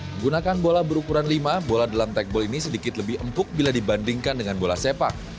menggunakan bola berukuran lima bola dalam tekball ini sedikit lebih empuk bila dibandingkan dengan bola sepak